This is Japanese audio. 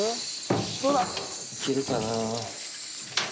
いけるかな。